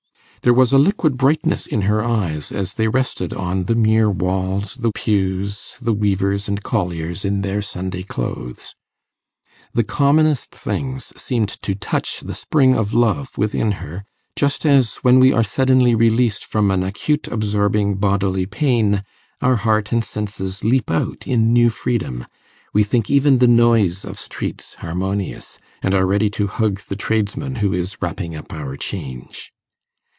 There was a liquid brightness in her eyes as they rested on the mere walls, the pews, the weavers and colliers in their Sunday clothes. The commonest things seemed to touch the spring of love within her, just as, when we are suddenly released from an acute absorbing bodily pain, our heart and senses leap out in new freedom; we think even the noise of streets harmonious, and are ready to hug the tradesman who is wrapping up our change.